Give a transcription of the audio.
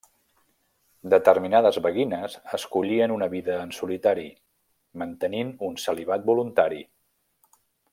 Determinades beguines escollien una vida en solitari, mantenint un celibat voluntari.